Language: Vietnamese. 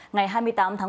ngày hai mươi tám tháng năm